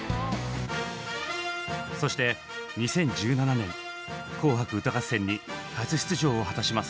そして２０１７年「紅白歌合戦」に初出場を果たします。